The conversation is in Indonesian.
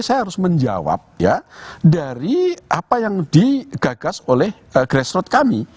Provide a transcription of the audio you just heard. saya harus menjawab ya dari apa yang digagas oleh grassroots kami